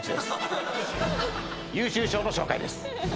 優秀賞の紹介です。